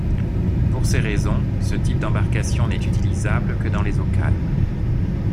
Pour ces raisons, ce type d'embarcation n'est utilisable que dans les eaux calmes.